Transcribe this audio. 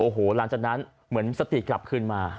หลังจากนั้นเหมือนสติกลับขึ้นมา